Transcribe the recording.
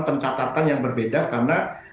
pencatatan yang berbeda karena